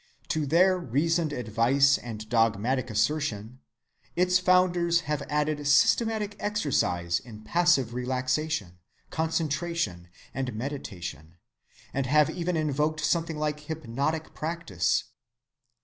To their reasoned advice and dogmatic assertion, its founders have added systematic exercise in passive relaxation, concentration, and meditation, and have even invoked something like hypnotic practice.